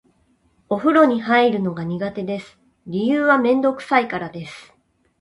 お風呂に入るのが苦手です。理由はめんどくさいからです。